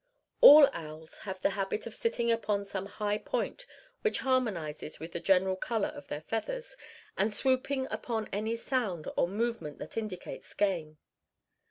All owls have the habit of sitting still upon some high point which harmonizes with the general color of their feathers, and swooping upon any sound or movement that indicates game.